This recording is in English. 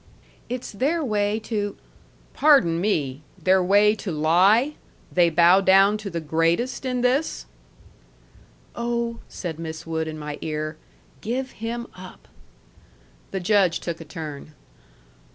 "It's their way to " "Pardon me. Their way to lie? They bow down to the greatest in this?" "Oh," said Miss Wood in my ear, "give him up." The Judge took a turn.